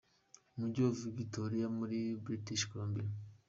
Umujyi wa Victoria muri British Columbia.